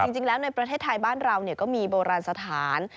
จริงแล้วในประเทศไทยบ้านเราก็มีโบราณสถาน